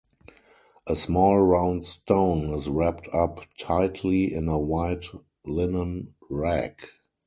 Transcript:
A small round stone is wrapped up tightly in a white linen rag.